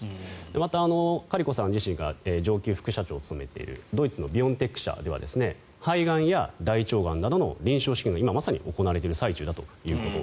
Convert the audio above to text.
また、カリコさん自身が上級副所長を務めているドイツのビオンテック社では肺がんや大腸がんなどの臨床試験が今まさに行われている最中だと。